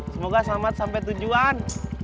semoga selamat sampai tujuan